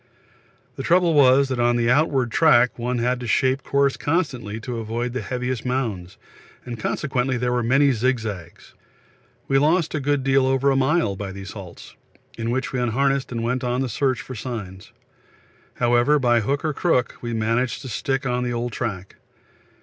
The trouble was that on the outward track one had to shape course constantly to avoid the heaviest mounds, and consequently there were many zig zags. We lost a good deal over a mile by these halts, in which we unharnessed and went on the search for signs. However, by hook or crook, we managed to stick on the old track.